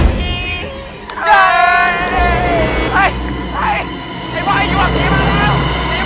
มีคนมึง